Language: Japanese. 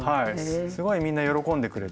すごいみんな喜んでくれて。